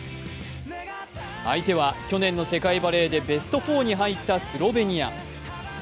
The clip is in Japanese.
相手は去年の世界バレーでベスト４に入ったスロベニア。